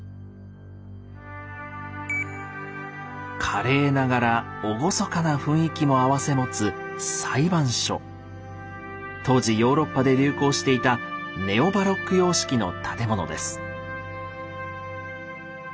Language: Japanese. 華麗ながら厳かな雰囲気も併せ持つ当時ヨーロッパで流行していたネオ・バロック様式の建物です。